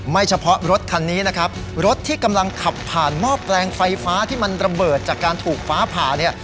เฉพาะรถคันนี้นะครับรถที่กำลังขับผ่านหม้อแปลงไฟฟ้าที่มันระเบิดจากการถูกฟ้าผ่าเนี่ย